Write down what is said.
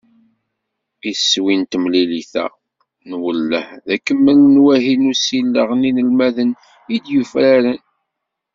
Iswi n temlilit-a n uwelleh d akemmel n wahil n usileɣ n yinelmaden i d-yufraren.